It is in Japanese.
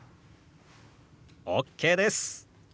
ＯＫです！